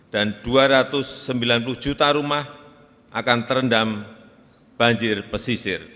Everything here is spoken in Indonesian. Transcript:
dan dua ratus sembilan puluh juta rumah akan terendam banjir pesisir